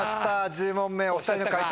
１０問目お２人の解答